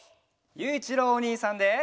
ゆういちろうおにいさんで。